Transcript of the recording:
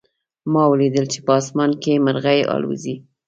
ما ولیدل چې په آسمان کې مرغۍ الوزي